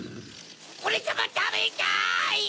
オレさまたべたい！